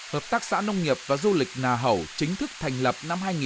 hợp tác xã nông nghiệp và du lịch nà hầu chính thức thành lập năm hai nghìn một mươi bảy